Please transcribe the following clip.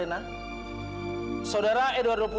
om bagi dulu